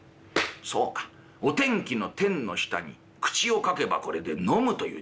そうかお天気の天の下に口を書けばこれで呑むという字になる。